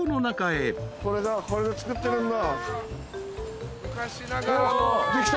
・これで作ってるんだ。